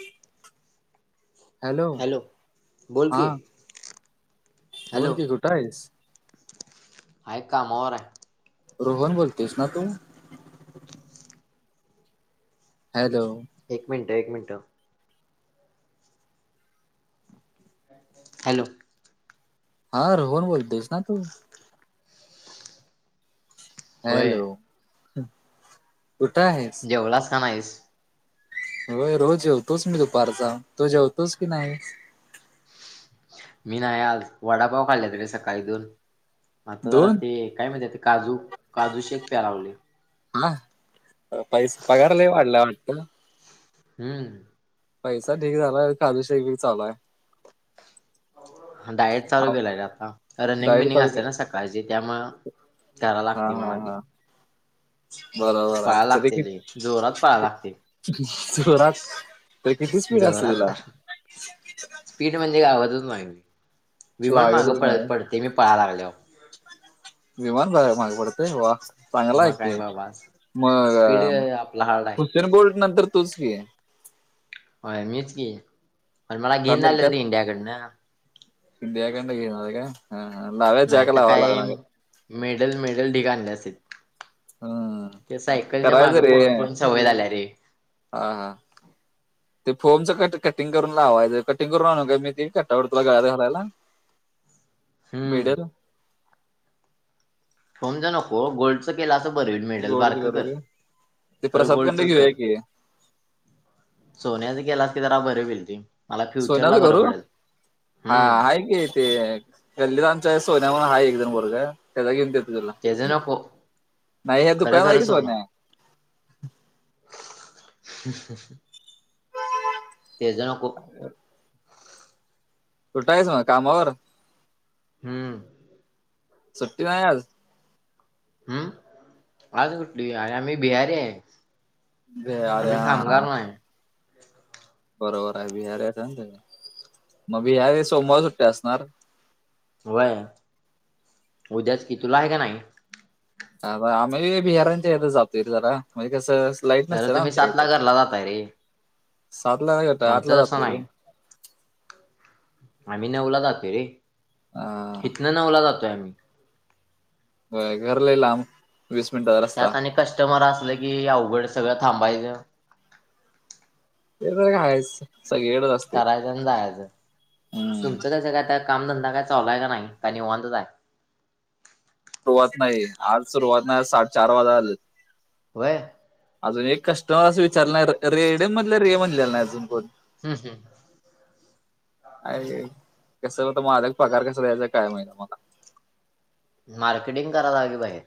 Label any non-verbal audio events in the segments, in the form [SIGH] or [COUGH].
ह हॅलो बोल की बर की घुटा आहेस आहेय का मर आहे रोहन बोलतेस ना तू हलो हॅलो एक मिनिट एक मिनटं हॅलो हा रोहन बोलतेस ना तू होय हॅलो कुठं आहेस जेवलास का नाहीस होय रोज जेवतोच मी दुपारचा तो जेवतोस की नाही होते आता जरा दोन ते काय माहिती ते काजू काजू शेक प्या लावले हा पैसे पगारला वाढला वाटत हम्म पैसा ठीक झालाय खल शे चालाय डायट चालू केलाय आता रनिंग डायरेक्ट बिनिंग असते तारखे ना सकाळची त्यामु त्याराला हा लागते हा मला हा ती बरोबर आहे पळायला तर लागते लय जोरात पळायला लागते देखील जोरात तरी किती स्पीड असते जोरात, तुला स्पीड म्हणजे काय विमान मागं लागतच नाही पड पडते मी पळाय लागल्याव विमान बघाय माग पडते वा! चांगला आहे मग काय की, बाबा मग अ स्पीड आपला हार्ड आहे. हुसेन बॉल्ट नंतर तूच की. होय मीच की, पण मला कारण का घेईना मिल्खा झालेत रे इंडियाकडनं. इंडियाकडनं घेईना झालेत काय? हा हा लाव्या नाही जॅक तर लावा काय, लागणार मेडल मेडल ढीग आणले असते. हम्म ते सायकलच्या करायचं मागं रे पळून पळून सवय झाल्या रे. हा हा. ते फोमचं कट कटिंग करून लावायचं, कटिंग करून आणू काय मी ते कटआउट तुला गळ्यात घालायला? हम्म. मिडल फोमचं नको गोल्डचं केला बरं होईल मेडल गोडच बारकं करू कर, की ते खरं प्रसाद कंड गोल्डचच कर. घेऊया की सोन्याचं केलास की जरा बर होईल ते, मला फ्युचरला सोन्याचं बरं करू पडेल. हा हम्म आहे की ते गल्लीच्या सोन्या म्हणून आहे एक दोन वर्ग त्याचा घेऊन ते. तेज नको नाही हे खरं दुकान आहे खरं की सोन सोनं [INAUDIBLE] ते जणक कुठयच मग कामावर. हम्म सुट्टी नाही आज. हम्म आज कुठली अर आम्ही बिहारी आहे. भे- अरे आम्ही कामगार हा नाही. बरोबर आहे बिहारीचा मग बिहारी सोमवार सुट्टी असणार. व्हय उद्याच की तुला आहे का नाही? ह आम्ही बिहारांच्या याेत जातोय जरा म्हणजे कसं. लाईट खरं तुम्ही नमच्याच सातला घरला जाताय रे सात ला नाही घत आठला आमचं जात तसं नाही ते. आम्ही नऊला जातो रे हा इथन नवला जातोय आम्ही. हो घर लय लांब वीस मिनिटाचा रस्ता त्यात आणि कस्टमर असलं कि, अवघड सगळं थांबायचं. ते तर काय हायच. करायचं आणि जायचं, हम्म तुमचं कसं काय कामधंदा काय चालाय का नाही का निवांत आहे. सुरुवात नाही आज सुरुवात नाही साडेचार वाजाल. व्हय. अजून एक कस्टमर असं विचारला नाही रेड मधलं रे म्हणलेला नाही अजून कोण. हम्म हम् अर कस होत माझ पगार कसा द्यायचा काय महिना मला. मार्केटिंग करायला ह [UNINTELLIGIBLE] की पाहिजे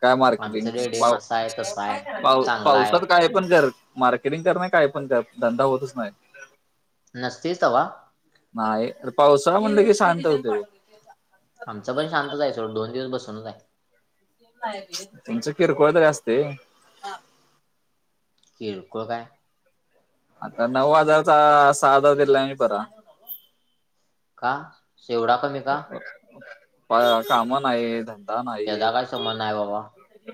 काय मार्केटिंग पा असा आहे तसा आहे पा चांगला आहे पावसात काय पण कर. मार्केटिंग कर नाही काय पण त्या धंदा होतच नाही. नसतेच तवा. पावसा म्हणलं कि शांत होते. आमचं पण शांतच आहे सोडं दोन दिवस बसूनच आहे. तुमचं किरकोळतरी असते. किरकोळ काय आता नऊ हजारचा सहा हजार दिला आहे म बरा. का शेवडा कमी का? काम नाहीत त्याचा काय संबंध नाही बाबा.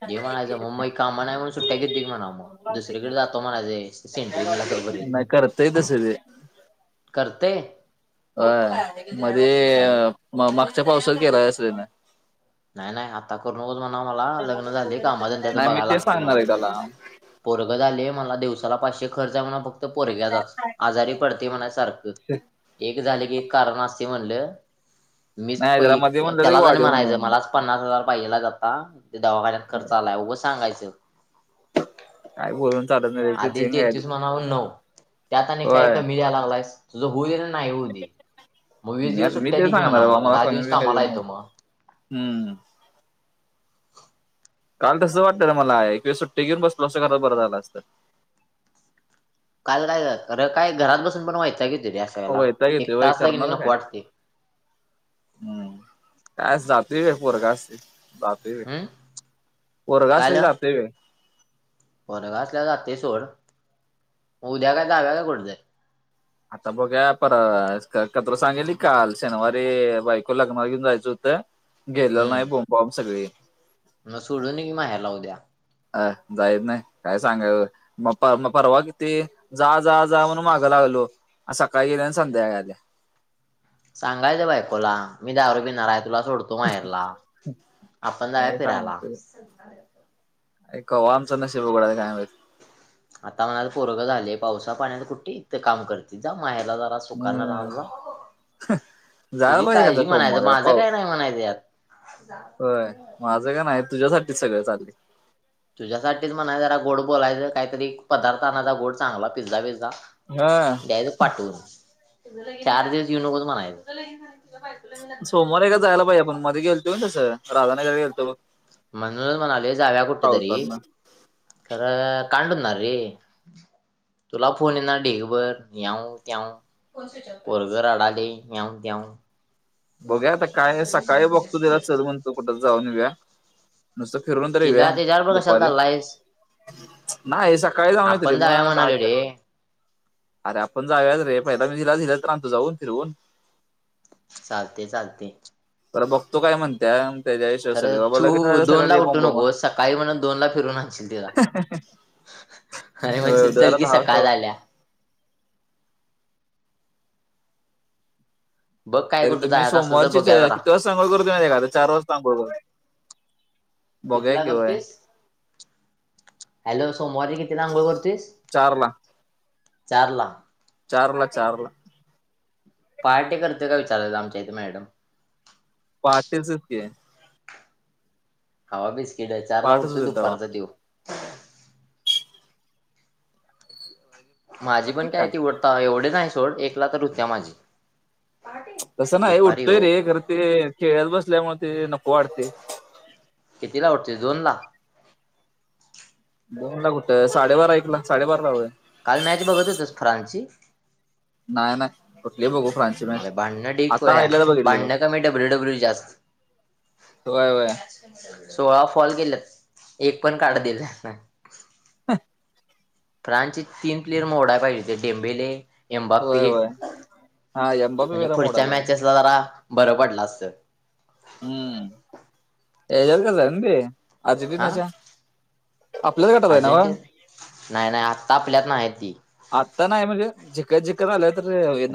ज म्हणायचं मग मग कामा नाहीणून सुट्ट्या घेतो की म्हणा मग दुसरीकडे जातो म्हणाय सेंट नाही करताय तसं ते. करतंय अ मध्ये म मागच्या पावसात केला अस त्याने. नाही नाही आता करूनच म्हणा मला लग्न झाली कामात त्याच नाही मी बघायला ते लागते सांगणार म्हणून. आहे त्याला पोरग झालीय मला दिवस. पाचशे खर्च म्हण फक्त पोरग्याचा आजारी पडते म्हण सारख. झालं कारण अस म्हणल मी नाही प त्याला मध्ये म्हणलेलं त्याला जाण वाढीव म्हणायचं म्हणून मला पन्नास हजार पाहिला जाता ते दवाखान्यात खर्च आलाय उघं सांगायचं. काय बोलून. चालत नाही ते आधी झिंग आहे देेतस म्हणाव नऊ त्यात आणि काय होय कमी द्याला लागलायस तुझं होऊ देल. नाही येऊ दे मग वीस मी दिवस मी सुट्ट्या ते दे की म्हणा सांगणार बा आम्हाला मला दहा कमी दिवस बी काय देऊ कामाला नको येतो मग. हम्म काल तसं वाटत ना मला एक वेळ सुट्टी घेऊन बसलो असं खरं बरं झालं असतं काल कायातर काय घरात बसून पण व्हायचं की हो, वळेला वैताग येते एक वय तास जाे मी करणार नको काय वाटते हम्म कायच झा द व पोरगा असते द व हम्म पोरगा असते की द व पर घासल्या जाते सोड उद्या काय दव्या काय कठ जाय आता बघ्या पर कत्र सांगेली काल शनिवारी बायको लग्ना घेऊन जायचं होतं गेलेला नाही हम्म बोम बॉम् सगळी मग सोडून की माहे्या लाव द्या अ जाईच नाही काय सांगा मग मग परवा किती जा जा जा म्हणून मागा लाग लो सकाळी गेल्या आणि संध्याकाल्या सांगायचं बायकोला मी दारू बिन आहे तुला सोडतो माहेरला आपण जाऊ फिरायला एकऐ का आमचा नसे बघडा काय आता म्हणाला पोरगं झालेय पावसा पाण्यात कुठे काम करतील जाऊ मा्याला जरा सुकानें हम्म राहला जायला तुझी पाहिजे एखादा काळजी म्हणायचं सोमवार माझं पाव काय नाही म्हणायचं यात. होय माझं का नाही तुझ्यासाठीच सगळं चालले. तुझ्यासाठीच म्हणा जरा गोड बोलायचं काहीतरी पदार्थाचा गोड चांगला पिझ्झा बीजा. हा द्यायचं पाठवुंन चार दिवस युनकों म्हणायचं. सोमवारी एकदां जायंला पाहिेजे आपणं मध्यें गेलतो तसं राधानगरीला गेलतो म्हणूनचं म्हणालोयं जावुयां कुठं तरी पावसातनं खरं काढणारं आहे. ये तुलां फोन येणारं ढिगभर यांऊं त्यांऊ पोरघ रडालंय याऊंन त्याऊंन बघुयां आतां कायं सकाळीं बघतो त्यांला चलं म्हणतो कुठं तरं जाऊंन येऊंयां नुस्तं फिरूंन तरं तिला येऊंयां त्याच्याबरोबर कशाला दुपांरी चाललायस नाहीं सकाळीं जाऊंन आपण येतों जाऊया मंग दहा म्हणालोय च्यां रे. अरे आपणं जाऊयाच रे पहिला मी तिला तरं आणतो जावूंन फिरवूंन चालतें चालतें तरं बघतो कायं म्हणत्यांत खरं तू दोन ला उठू मग नकोसं सकाळीं म्हण दोन लां फिरूंन आणशील तिलां अरे होय, म्हणशील जरा चलकी दहा सकाळीं वाजता झाल्यां [UNINTELLIGIBLE] बघ काय तरी कुठं तुम्हीं जायचं असलं तर सोमवारची बघूया जरा किती वाजंतां अंघोळ करतों माहित्या का ए चार वाजतां अंघोळ करतों कितीला करतेस हॅलो. सोमवारी कितीला अंघोळ करतेस चार ला चार ला चार ला चार ला पार्टी करतो का विचारत आमच्या इथे मॅडम पार्टीचच की खावा बिस्किटं चारला पहाटच उठतो होते तेव्हा दुपारचा त्यो माझी पण काय तीवडता एवढी नाही सोड एक लाखात होत्या माझी तसं नाही दुपारी उठतोय हो रे खरं ते खेळत बसल्यामुळे ते नको वाटतय. किती ला उठतोयस दोन ला दोन ला कुठ साडेबारा एकला साडेबारा ला होय काल मॅच बघत होतास फ्रान्सची नाही नाही कुठली बघू फ्रान्सची अरे मॅच भांडणं ढीग आता खुळ्या हायलाच बघितली बघ भांडण कमी डब्ल्यू डब्ल्यू जास्त होय होय सोळा फॉल गेल्यात एक पण कार्ड दिलं नाही. फ्रांन्स चे तीन प्लेयर मोडाय पाहिजे ते डेमंबेले एमबा पी होय होय हा एम्बापे म्हंणजे वेला मोठा पुढच्या बघ मॅचेसला जरा बरं पडलं असत. हम्म [UNINTELLIGIBLE] हा अर्जेंटिनाच्या आपल्याच गटात आहे न्हवं अर्जेंटिन नाही नाही आत्ता आपल्यात नाही ती आत्ता नाही म्हणजे झिकत झिकत आल्यात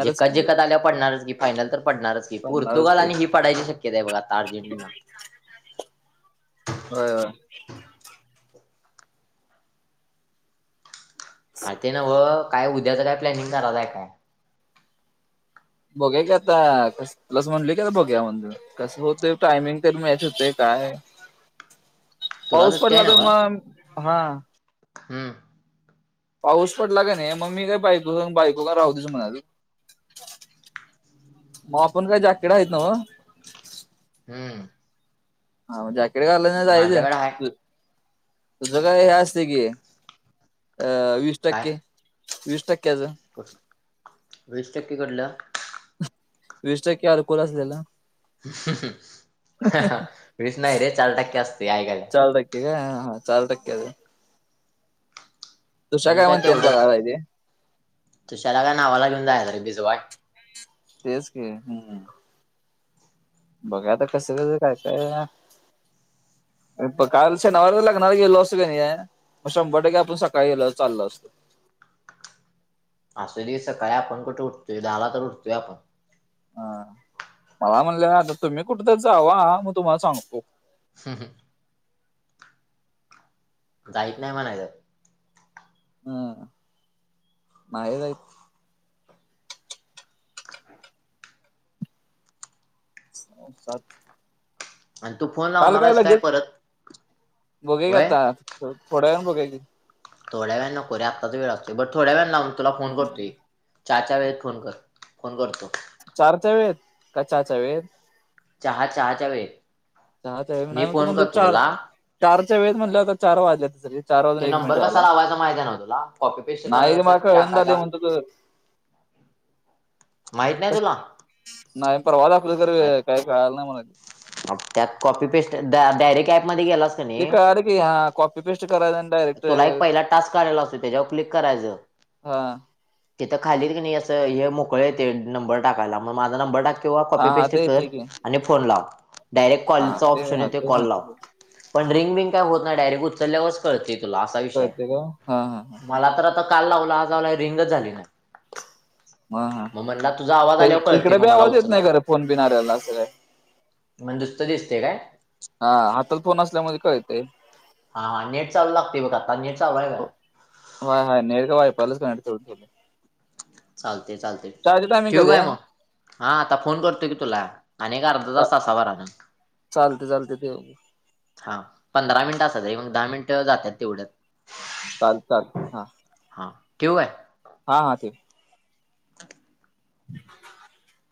जिकत जिकत आल्यावर पडणारच की फायनल तर पडणारच की पडणारच पोर्तुगाल आणि की ही पडायची शक्यता आहे बघ आता अर्जेंटिना होय होय. आ ते न्हवं हो काय उद्याच काय प्लॅनिंग करायलाय काय बघूया की आता प्लस म्हणलोय की आता बघुया म्हणून कसं होतय टायमिंग तेन मॅच होतय का काय [INAUDIBLE] पाऊस सुट्टी पडला तर मग हा हं पाऊस पडला का नाही मग मी काय बाईको बाईको काय राहुदेच म्हणालोय. मग आपण काय जाॅकेट आहेत नव हम् हा म जॅकेट घालायचा आणि जायचं. आहे तिथ काय हे असतं की वीस टक्के काय वीस टक्के तेज वीस टक्के भरल्यावर वीस टक्के अल्कहोल असलेला. मीच नाही रे चार टक्के असते ऐकाय चार टक्के काय हा हा चार टक्क्याच तुशाख मंत न बड इे तुष्याला काय नावाला घेऊन जाय त रे भिजवाय तेच के हम् बघा आता कसं कस काय काय इप काश नला नाही लवास का नाही मग शंभर टक्के आपण सकाळी चाल असतो असे दिवस सकाळी आपण कुठे उठतोय दहाला तर उठतोय आपण हा मला म्हणले आता तुम्ही कुठंतरी जावा मग तुम्हाला सांगतो ह ह जाईत नाही म्हणा तर हम माहेयत सात आणि तू फोन काल लावणार काय आहेस लगेच परत बघा होय का आता थोड्यान बघाय क थोड्या वेळ नकोरी आत्ताच वेळ लागते बर थोड्या वेळाला तुला फोन करतोय चार चार वेळेत फोन कर फोन करतो चार वेत काच्या वेेत चहा चहाच्या वेळेत चहाच्या वेळ मी म तू फोन म्हणो करतो चार तुला चारच्या वेळेत म्हटलं होता चार वाजल्या त सरी ते नंबर कसा लावायचा माहिती नव तुला कॉपी पेस्ट नाही करायचा रे मला त्यात कळण झाले टाकायचा म्हणतो तू माहित नाही तुला नाही परवाला कु तररी काही कल नाही मला त्यात कॉपी पेस्ट डायरे ॅप मध्ये गेलास का ते नाही कळालं की हा कॉपी पेस्ट करायचं आणि डायरेक्ट तुला एक पहिला टास्क काढयला असतो त्याच्यावर क्लिक करायचं हा तेथ खालीत की नाही असं हे मोकळे य तेे नंबर टाकायला मग माझा नंबर टाक किंवा हा कॉपी हा पेस्ट ते कर ठीक आहे आणि फोन लाव डायरेक्ट हा कॉलचचा ऑप्श हा आहे ते कॉलला माहिती पण रिंग बिंग काय होत नाही डायरेक्ट उचलल्यावरस कळते असा विषय कळते का हा हा मला तर आता काल लावला आजला रिंगच झाली ना हा ह कळते इकडे मग बी मला आवाज येत नाही उचललाय खरं फोन बिन्याला अस मग दुसतं दिसते काय हा हातात फोन असल्यामुळे कळतंय हा नेट चालू लागते बघ नेट चालू आहे का हो होय नेट वायफाय ला कनेक्ट करायच चालते चालते चहाची टायमिंग ठेवू कधी काय आहे मग हा आता फोन करतोय की तुला अक अर्धा तास तावर अन चालते चालते तेघ पंधरा मिनिट असतात मग दहा मिनिट जातात तेवढ्यात चाल चालत हा क्यव आहे हा हा ते [INAUDIBLE] ह